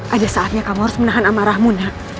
ada saatnya kamu harus menahan amarahmu nak